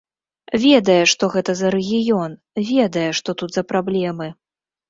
Ведае, што гэта за рэгіён, ведае, што тут за праблемы.